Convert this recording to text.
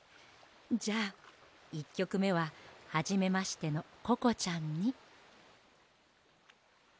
じゃあ１きょくめははじめましてのココちゃんに。